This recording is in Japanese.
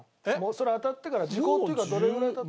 それ当たってから時効っていうかどれぐらい経ったの？